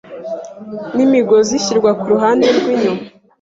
n'imigozi ishyirwa ku ruhande rwinyuma